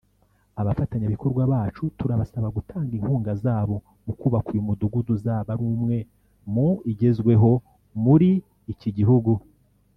Abafatanyabikorwa bacu turabasaba gutanga inkunga zabo mu kubaka uyu mudugudu uzaba ari umwe mu igezweho muri iki gihugu